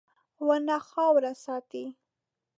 • ونه خاوره ساتي.